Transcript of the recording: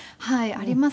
ありますね。